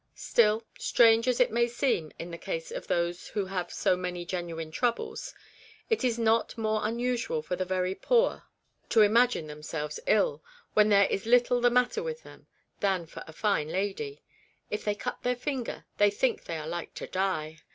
Still, strange as it may seem in the case of those who have so many genuine troubles, it is not more unusual for the very poor to imagine REBECCAS REMORSE. 203 themselves ill, when there is little the matter with them, than for a fine lady ; if they cut their finger, they think they are like to die.